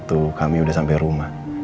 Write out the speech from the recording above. waktu kami udah sampai rumah